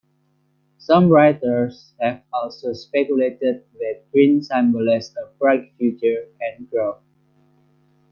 Some writers have also speculated that green symbolises a bright future, and growth.